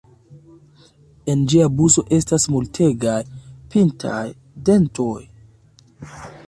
En ĝia buso estas multegaj pintaj dentoj.